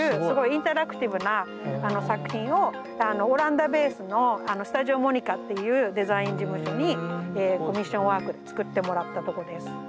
すごいインタラクティブな作品をオランダベースのスタジオモニカっていうデザイン事務所にコミッションワークで作ってもらったとこです。